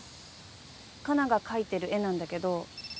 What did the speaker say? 可奈が描いてる絵なんだけど。